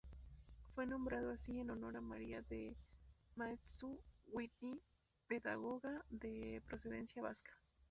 Fue nombrado así en honor a María de Maeztu Whitney, pedagoga de procedencia vasca.